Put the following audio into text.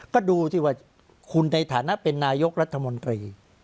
คุณในฐานะเป็นนายกรัฐมนตรี